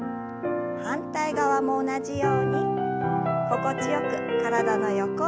反対側も同じように心地よく体の横を伸ばします。